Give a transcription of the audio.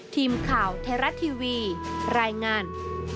ทีมข่าวไทยรัฐทีวีรายงาน